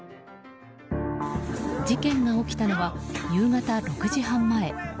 事件が起きたのは夕方６時半前。